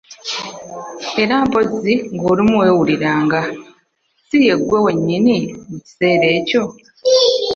Era mpozzi ng'olumu weewuliranga ssi " ye ggwe wennyini." mu kiseera ekyo.